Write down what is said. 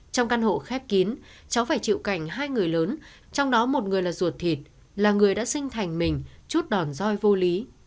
trong căn hộ khép kín cháu phải chịu cảnh hai người lớn trong đó một người là ruột thịt là người đã sinh thành mình chút đòn roi vô lý